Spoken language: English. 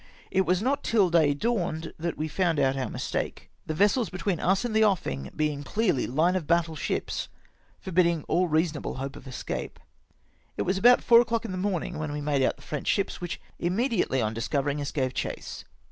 It was not till day dawned that we found out our mistake, the vessels between us and the offing being clearly line of battle ships, forbidding all reasonable hope of escape. It was about four o'clock in the morning when w^e made out the French ships, which immediately on discovering us gave chase.